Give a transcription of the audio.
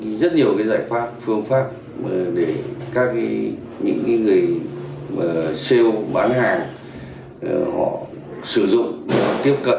có rất nhiều giải pháp phương pháp để các người sale bán hàng họ sử dụng tiếp cận